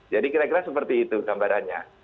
jadi kira kira seperti itu gambarannya